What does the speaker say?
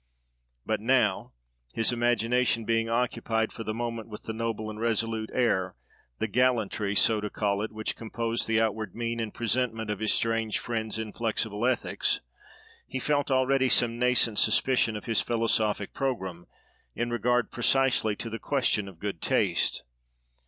But now (his imagination being occupied for the moment with the noble and resolute air, the gallantry, so to call it, which composed the outward mien and presentment of his strange friend's inflexible ethics) he felt already some nascent suspicion of his philosophic programme, in regard, precisely, to the question of good taste.